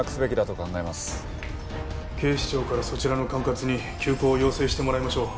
警視庁からそちらの管轄に急行を要請してもらいましょう。